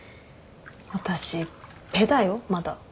私ペだよまだ。